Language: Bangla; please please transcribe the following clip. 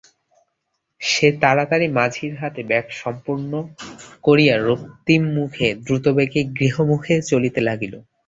সে তাড়াতাড়ি মাঝির হাতে ব্যাগ সমর্পণ করিয়া রক্তিমমুখে দ্রুতবেগে গৃহ অভিমুখে চলিতে লাগিল।